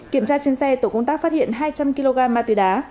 kiểm tra trên xe tổ công tác phát hiện hai trăm linh kg ma túy đá